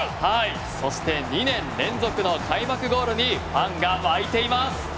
そして２年連続の開幕ゴールにファンが沸いてます。